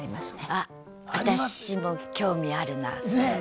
あ私も興味あるなそれ。